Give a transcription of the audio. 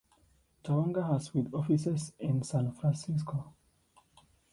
Tawonga has with offices in San Francisco.